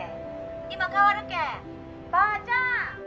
☎今代わるけんばーちゃん！